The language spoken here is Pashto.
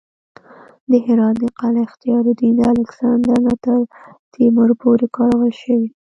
د هرات د قلعه اختیارالدین د الکسندر نه تر تیمور پورې کارول شوې